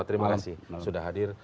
terima kasih sudah hadir